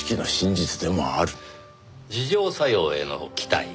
自浄作用への期待。